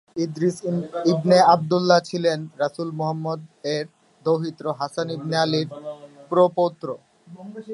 ইদ্রিস ইবনে আবদুল্লাহ ছিলেন রাসুল মুহাম্মাদ এর দৌহিত্র হাসান ইবনে আলীর প্র-পৌত্র।